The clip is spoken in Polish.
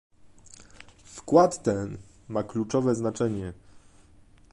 wkład ten ma kluczowe znaczenie